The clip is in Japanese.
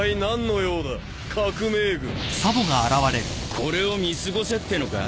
これを見過ごせってのか？